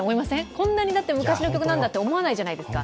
こんなに昔の歌なんだって思わないじゃないですか。